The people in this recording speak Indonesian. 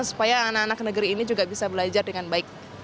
supaya anak anak negeri ini juga bisa belajar dengan baik